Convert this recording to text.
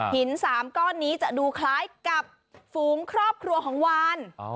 หิน๓ก้อนนี้จะดูคล้ายกับฝูงครอบครัวของวาน